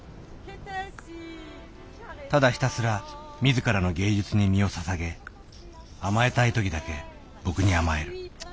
ただひたすら自らの芸術に身をささげ甘えたい時だけ僕に甘える。